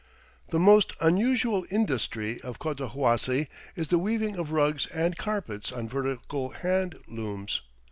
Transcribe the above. The most unusual industry of Cotahuasi is the weaving of rugs and carpets on vertical hand looms.